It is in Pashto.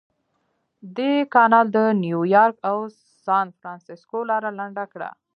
دې کانال د نیویارک او سانفرانسیسکو لاره لنډه کړه.